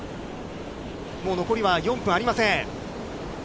もう残りは４分ありません。